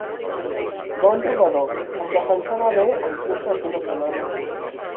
Bon rodador, es defensava bé en curses d'una setmana.